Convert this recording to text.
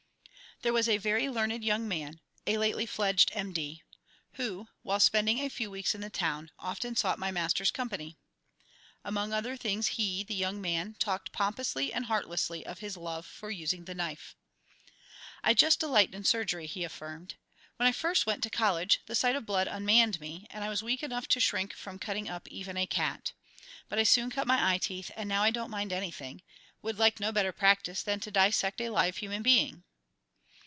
There was a very learned (?) young man a lately fledged M. D. who, while spending a few weeks in the town, often sought my master's company. Among other things he, the young man, talked pompously and heartlessly of his love for using the knife. "I just delight in surgery," he affirmed. "When I first went to college the sight of blood unmanned me, and I was weak enough to shrink from cutting up even a cat; but I soon cut my eye teeth, and now I don't mind anything; would like no better practice than to dissect a live human being."